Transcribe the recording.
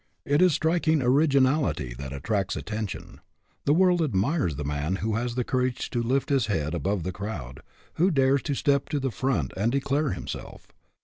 It is striking originality that attracts attention. The world admires the man who has the courage to lift his head above the crowd, who dares to step to the front and de clare himself.